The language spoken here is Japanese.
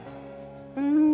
うん。